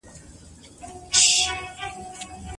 موږ به سبا ډېري مڼې راوړو.